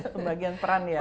pembagian peran ya